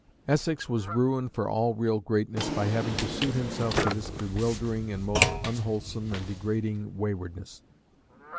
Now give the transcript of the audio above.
Essex was ruined for all real greatness by having to suit himself to this bewildering and most unwholesome and degrading waywardness.